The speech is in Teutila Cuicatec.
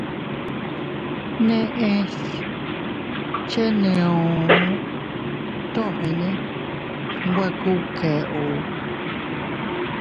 Neʼes ndé cheneo tomene nwe kubkeo.